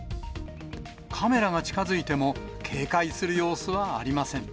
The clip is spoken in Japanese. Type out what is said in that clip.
カメラが近づいても、警戒する様子はありません。